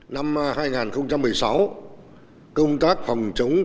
năm hai nghìn một mươi sáu công tác phòng chống tham nhũ